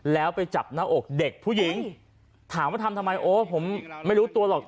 แล้วไปจับหน้าอกเด็กผู้หญิงถามว่าทำทำไมโอ้ผมไม่รู้ตัวหรอก